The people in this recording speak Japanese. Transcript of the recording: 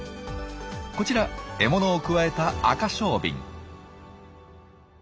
こちら獲物をくわえたアカショウビン。